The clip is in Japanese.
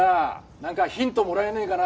なんかヒントもらえねえかな？